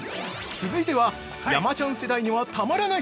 ◆続いては、山ちゃん世代にはたまらない